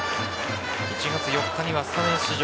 １月４日にはスタメン出場。